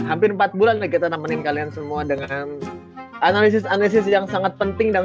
hampir empat bulan deh kita nemenin kalian semua dengan analisis analisis yang sangat penting dan